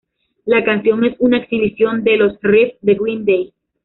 La canción es una exhibición de los riffs de Green Day.